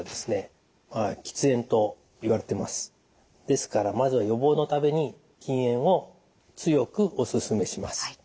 ですからまず予防のために禁煙を強くお勧めします。